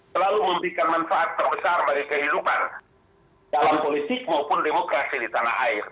selalu memberikan manfaat terbesar bagi kehidupan dalam politik maupun demokrasi di tanah air